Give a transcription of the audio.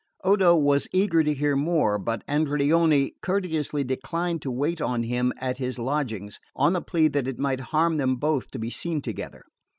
Odo was eager to hear more; but Andreoni courteously declined to wait on him at his lodgings, on the plea that it might harm them both to be seen together.